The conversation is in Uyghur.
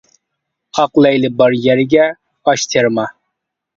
ئاق لەيلى بار يەرگە ئاش تېرىما.